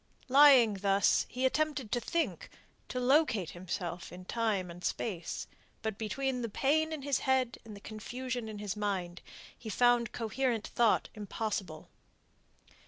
Lying thus, he attempted to think, to locate himself in time and space. But between the pain in his head and the confusion in his mind, he found coherent thought impossible.